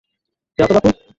যাও তো বাপু!